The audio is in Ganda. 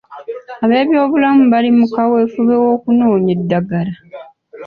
Ab’ebyobulamu bali mu kaweefube ow’okunoonya eddagala.